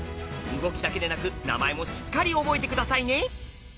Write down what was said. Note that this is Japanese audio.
動きだけでなく名前もしっかり覚えて下さいね。